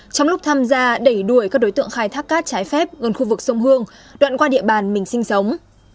trong lúc tham gia đẩy đuổi các đối tượng khai thác cát trái phép gần khu vực sông hương đoạn qua địa bàn mình sinh sống